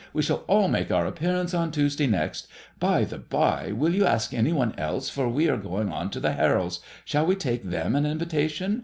We shall all make our appearance on Tuesday next. By the by^ will you ask any one else, for we are going on to the Harolds. Shall we take them an invitation